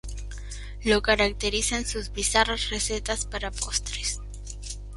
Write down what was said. Lo caracterizan sus bizarras recetas para postres.